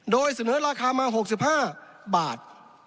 โดยเสนอราคามา๖๕บาท